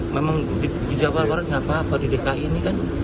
memang di jawa barat tidak apa apa di dki ini kan